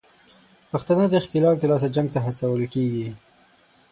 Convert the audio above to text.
پښتانه د ښکېلاک دلاسه جنګ ته هڅول کېږي